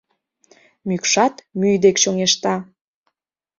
Мӱкшат мӱй дек чоҥешта...